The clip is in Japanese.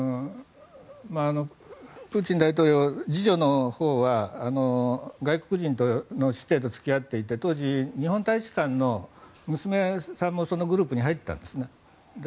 プーチン大統領次女のほうは外国人と付き合っていて当時、日本大使館の娘さんもそのグループに入ってたんですね。